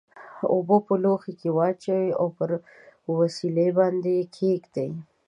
اوبه په لوښي کې واچوئ او پر وسیلې باندې یې کیږدئ.